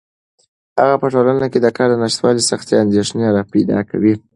په ټولنه کې د کار نشتوالی سختې اندېښنې راپیدا کوي.